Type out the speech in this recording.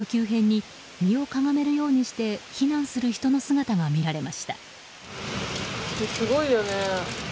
天気の急変に身をかがめるようにして避難する人の姿がみられました。